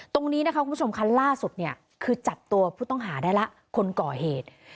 ตรงนี้นะคะคุณผู้ชมคันล่าสุดเนี่ยคือจับตัวผู้ต้องหาได้แล้วคนก่อเหตุ